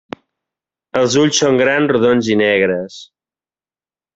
Els ulls són grans, rodons i negres.